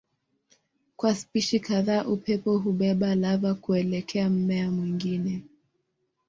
Kwa spishi kadhaa upepo hubeba lava kuelekea mmea mwingine.